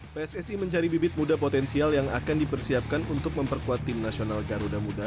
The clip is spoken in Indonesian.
pssi mencari bibit muda potensial yang akan dipersiapkan untuk memperkuat tim nasional garuda muda